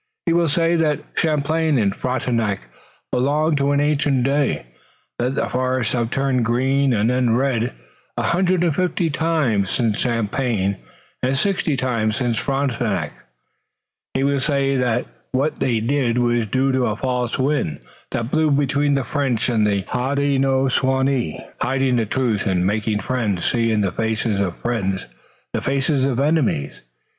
He will say that Champlain and Frontenac belonged to an ancient day, that the forests have turned green and then turned red a hundred and fifty times since Champlain and sixty times since Frontenac. He will say that what they did was due to a false wind that blew between the French and the Hodenosaunee, hiding the truth, and making friends see in the faces of friends the faces of enemies.